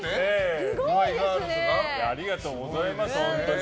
ありがとうございます。